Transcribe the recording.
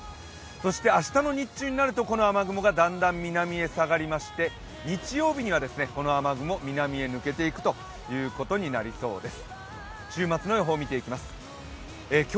そして明日の日中になるとこの雨雲がだんだん南に下がりまして日曜日にはこの雨雲、南へ抜けていくということになります。